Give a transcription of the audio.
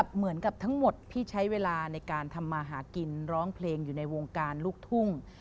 เหมือนกับทั้งหมดพี่ใช้เวลาในการทำมาหากินร้องเพลงอยู่ในวงการลูกทุ่ง